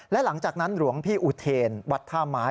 และหลังจากนั้นหลวงพี่อุเทนวัดท่าไม้